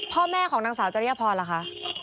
ค่ะแล้วพ่อแม่ของนางสาวจริยภรณ์ล่ะคะ